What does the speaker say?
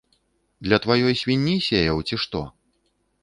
Для тваёй свінні сеяў, ці што?